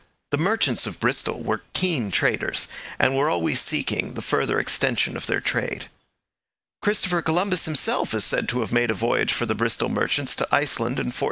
The merchants of Bristol were keen traders, and were always seeking the further extension of their trade. Christopher Columbus himself is said to have made a voyage for the Bristol merchants to Iceland in 1477.